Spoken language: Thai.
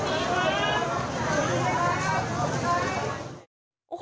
สวัสดีครับสวัสดีครับ